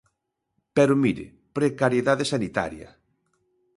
Pero mire, precariedade sanitaria.